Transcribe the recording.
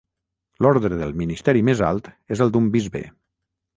L'ordre del ministeri més alt és el d'un bisbe.